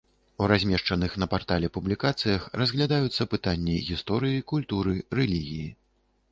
У размешчаных на партале публікацыях разглядаюцца пытанні гісторыі, культуры, рэлігіі.